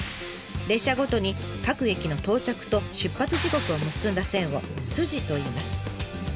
列車ごとに各駅の到着と出発時刻を結んだ線を「スジ」といいます。